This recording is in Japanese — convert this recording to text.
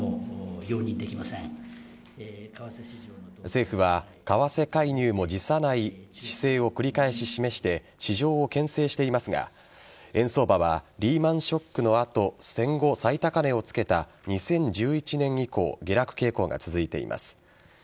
政府は為替介入も辞さない姿勢を繰り返し示して市場をけん制していますが円相場はリーマンショックの後戦後最高値をつけた２０１１年以降下落傾向が続いています。